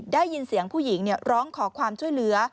ได้ยินเสียงผู้หญิงร้องขอความช่วยเหลือ